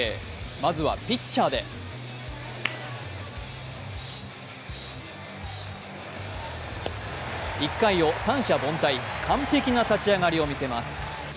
まずはピッチャーで１回を三者凡退、完璧な立ち上がりを見せます。